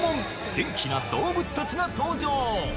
元気な動物たちが登場。